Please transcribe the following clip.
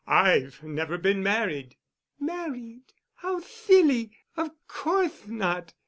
I've never been married." "Married? How thilly! Of courthe not!